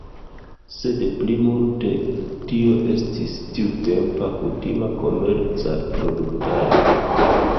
Sed plimulte tio estis tiutempa kutima komerca produktado.